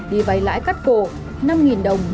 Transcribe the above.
đi vay lãi cắt cổ năm đồng